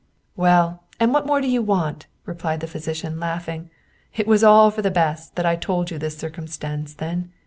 " Well, and what more do you want ?" replied the physi cian, laughing. " It was all for the best that I told you this circumstance then.